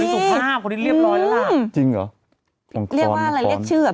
สุขภาพคนนี้เรียบร้อยแล้วล่ะจริงเหรอเรียกว่าอะไรเรียกชื่อแบบ